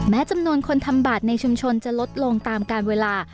จำนวนคนทำบัตรในชุมชนจะลดลงตามการเวลา